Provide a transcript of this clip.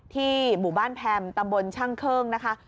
ที่หมู่บ้านแพมตำบลช่างเคิ้งนะคะ